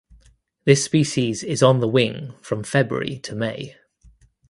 This species is on the wing from February to May.